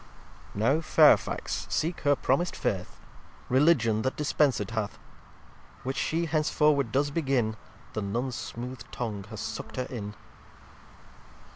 Now Fairfax seek her promis'd faith: Religion that dispensed hath; Which She hence forward does begin; The Nuns smooth Tongue has suckt her in.